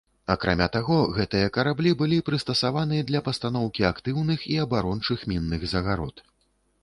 Акрамя таго, гэтыя караблі былі прыстасаваны для пастаноўкі актыўных і абарончых мінных загарод.